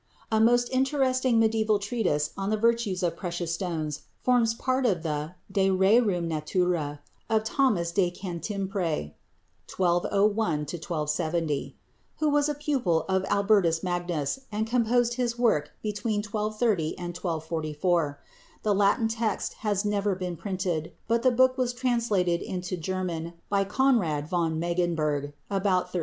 A most interesting medieval treatise on the virtues of precious stones forms part of the De rerum natura of Thomas de Cantimpré (1201 1270), who was a pupil of Albertus Magnus and composed his work between 1230 and 1244. The Latin text has never been printed, but the book was translated into German by Konrad von Megenberg about 1350.